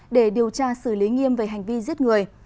để điều tra xử lý nghiêm về hành vi giết người